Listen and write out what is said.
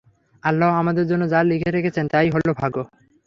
আল্লাহ আমাদের জন্য যা লিখে রেখেছেন তাই হলো ভাগ্য।